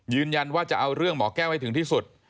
ยืนยันว่าจะเอาเรื่องหมอแก้วให้ถึงที่สุด